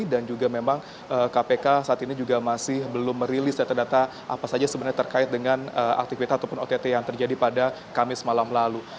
dan juga memang kpk saat ini juga masih belum merilis data data apa saja sebenarnya terkait dengan aktivitas ataupun ott yang terjadi pada kamis malam lalu